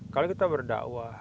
kalau kita berdakwah